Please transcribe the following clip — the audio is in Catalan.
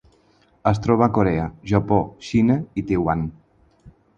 Es troba a Corea, Japó, Xina i Taiwan.